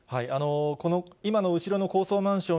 この今の後ろの高層マンショ